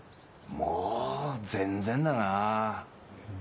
もう全然だなぁ。